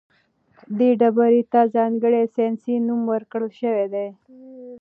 دې ډبرې ته ځانګړی ساینسي نوم ورکړل شوی دی.